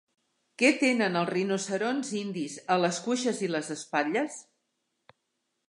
Què tenen els rinoceronts indis a les cuixes i les espatlles?